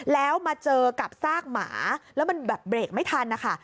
แล้วมาเจอกับซากหมาแล้วมันแบบเบรกไม่ทันนะคะ